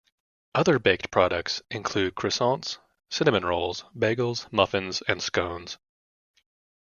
Other baked products include croissants, cinnamon rolls, bagels, muffins, and scones.